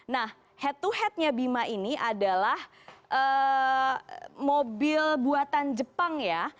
nah head to headnya bima ini adalah mobil buatan jepang ya